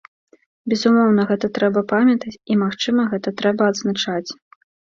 Безумоўна, гэта трэба памятаць, і, магчыма, гэта трэба адзначаць.